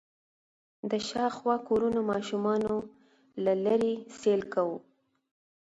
د شاوخوا کورونو ماشومانو له لېرې سيل کوه.